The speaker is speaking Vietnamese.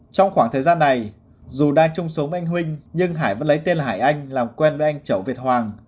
trong khoảng thời gian này dù đang chung sống với anh huynh nhưng hải vẫn lấy tên hải anh làm quen với anh chậu việt hoàng